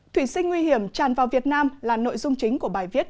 thủy sinh nguy hiểm tràn vào việt nam là nội dung chính của bài viết